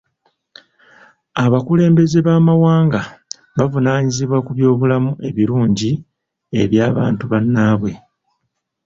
Abakulembeze b'amawanga bavunaanyizibwa ku byobulamu ebirungi eby'antu bannaabwe.